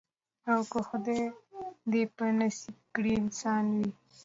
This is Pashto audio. او که خدای دي په نصیب کړی انسان وي